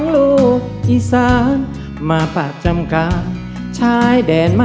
ดีใจ